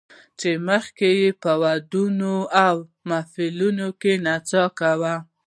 چې مخکې یې په ودونو او محفلونو کې نڅا کوله